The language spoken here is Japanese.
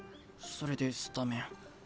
それでスタメン。